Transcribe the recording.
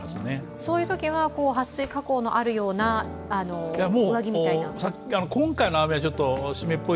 そういうときは、はっ水加工のあるような上着みたいな？